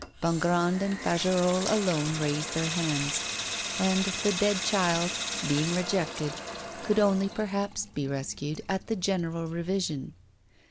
Bongrand and Fagerolles alone raised their hands, and 'The Dead Child,' being rejected, could only perhaps be rescued at the general revision.